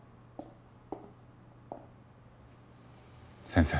先生